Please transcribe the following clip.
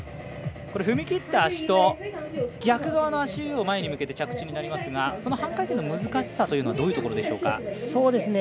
踏み切った足と逆側の足を前に向けて着地になりますが半回転の難しさというのはどういうところでしょうか。